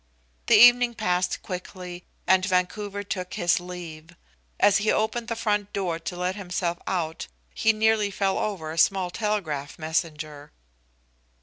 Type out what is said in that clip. The evening passed quickly, and Vancouver took his leave. As he opened the front door to let himself out he nearly fell over a small telegraph messenger.